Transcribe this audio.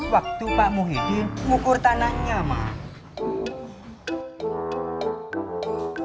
waktu pak muhyiddin ngukur tanahnya mas